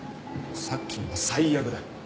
さっきのは最悪だ。